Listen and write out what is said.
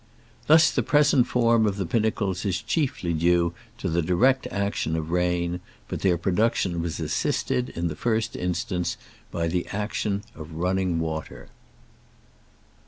Thus, the present form of the pinnacles is chiefly due to the direct action of rain, but their pro duction was assisted, in the first instance, by the ac tion of runm'ng water.